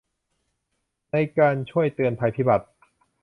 ในการช่วยเตือนภัยพิบัติ